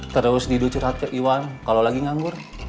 terus tidur curhat ke iwan kalau lagi nganggur